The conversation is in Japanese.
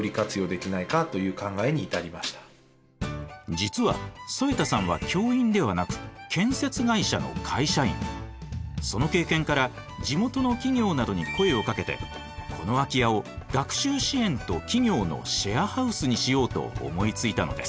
実は添田さんはその経験から地元の企業などに声をかけてこの空き家を学習支援と企業のシェアハウスにしようと思いついたのです。